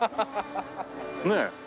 ねえ。